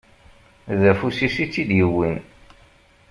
D afus-is i tt-id-yewwin.